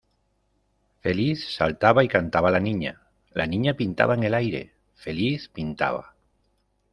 Feliz saltaba y cantaba la niña, la niña pintaba en el aire, feliz pintaba....